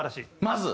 まず。